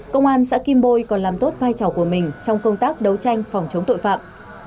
công an xã kim bôi còn làm tốt vai trò của mình trong công tác đấu tranh phòng chống tội phạm